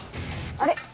あれ？